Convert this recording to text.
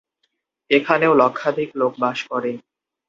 এখানেও লক্ষাধিক লোক বাস করে।